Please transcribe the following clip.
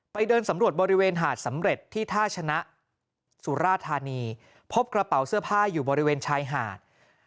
เดินสำรวจบริเวณหาดสำเร็จที่ท่าชนะสุราธานีพบกระเป๋าเสื้อผ้าอยู่บริเวณชายหาด